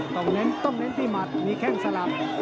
ต้องเน้นที่หมัดนี่แค่งสลับ